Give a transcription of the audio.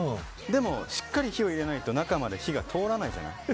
でも、しっかり火を入れないと中まで火が通らないじゃない。